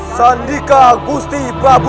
sandika agusti prabu